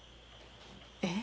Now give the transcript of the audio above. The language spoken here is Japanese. えっ？